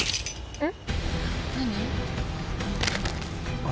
えっ？